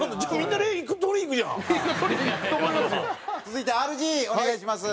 続いてＲＧお願いします。